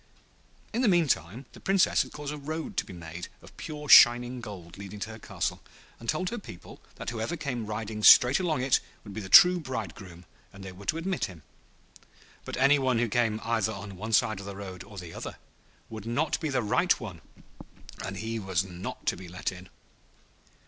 In the meantime, the Princess had caused a road to be made of pure shining gold leading to her castle, and told her people that whoever came riding straight along it would be the true bridegroom, and they were to admit him. But any one who came either on one side of the road or the other would not be the right one, and he was not to be let in.